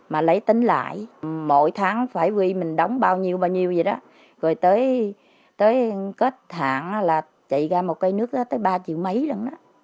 mà lấy tính lại mỗi tháng phải huy mình đóng bao nhiêu bao nhiêu vậy đó rồi tới kết hạng là chạy ra một cây nước tới ba triệu mấy lần đó